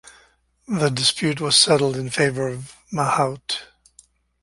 The dispute was settled in favour of Mahaut.